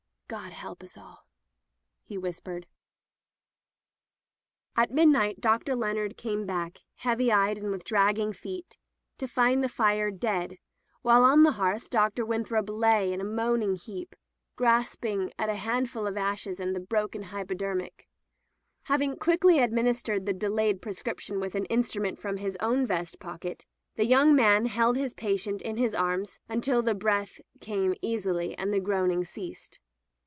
"God help us all," he whispered. [ 401 ] Digitized by LjOOQ IC Interventions At midnight Dr. Leonard came back, heavy*eyed and with dragging feet, to find the fire dead, while on the hearth Dr. Win throp lay in a moaning heap, grasping a handful of ashes and the broken hypodermic. Having quickly administered the delayed prescription with an instrument from his own vest pocket, the young man held his patient in his arms until the breath came easily and the groaning ceased.